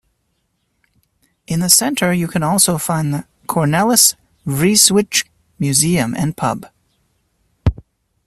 In the center you can also find the Cornelis Vreeswijk museum and pub.